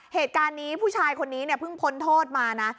เหตุการณ์นี้ผู้ชายคนนี้เนี่ยเพิ่งพ้นโทษมานะ